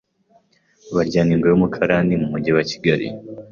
Baryaningwe w’umukarani mu mujyi wa Kigali